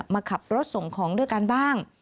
มาขับรถส่งของด้วยกันบ้าง